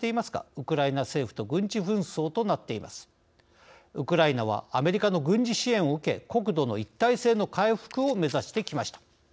ウクライナはアメリカの軍事支援を受け国土の一体性の回復を目指してきました。